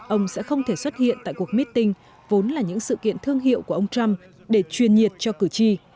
ông sẽ không thể xuất hiện tại cuộc meeting vốn là những sự kiện thương hiệu của ông trump để truyền nhiệt cho cử tri